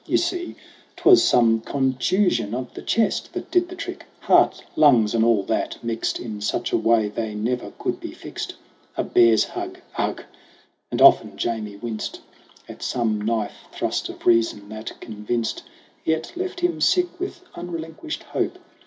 You see, 'twas some contusion of the chest That did the trick heart, lungs and all that, mixed In such a way they never could be fixed. A bear's hug ugh !' And often Jamie winced At some knife thrust of reason that convinced Yet left him sick with unrelinquished hope.